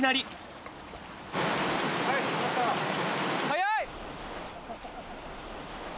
早い！